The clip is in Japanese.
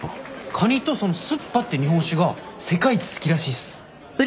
カニとその水破って日本酒が世界一好きらしいっす。